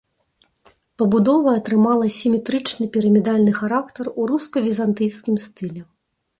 Пабудова атрымала сіметрычны пірамідальны характар у руска-візантыйскім стылі.